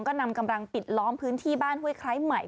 ก็นำกำลังปิดล้อมพื้นที่บ้านห้วยไคร้ใหม่